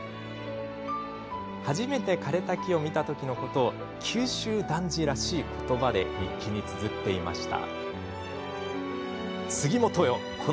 初めて枯れた木を見た時のことを九州男児らしい言葉で日記につづっていました。